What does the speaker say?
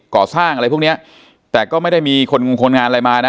ก่อสร้างอะไรพวกเนี้ยแต่ก็ไม่ได้มีคนงงคนงานอะไรมานะ